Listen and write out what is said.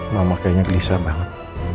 mama kayaknya gelisah banget